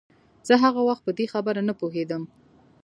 زه هغه وخت په دې خبره نه پوهېدم.